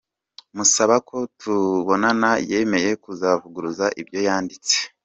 Musaba ko tubonana yemeye kuzavuguruza ibyo yanditse.